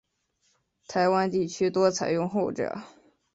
台湾地区多采用后者。